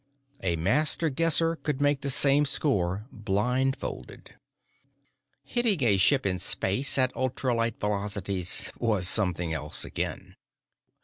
A Master Guesser could make the same score blindfolded. Hitting a ship in space at ultralight velocities was something else again.